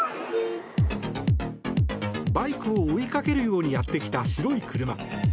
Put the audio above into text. バイクを追いかけるようにやってきた白い車。